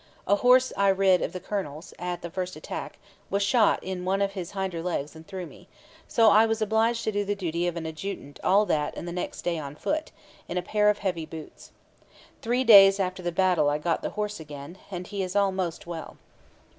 A horse I rid of the colonel's, at the first attack, was shot in one of his hinder legs and threw me; so I was obliged to do the duty of an adjutant all that and the next day on foot, in a pair of heavy boots. Three days after the battle I got the horse again, and he is almost well.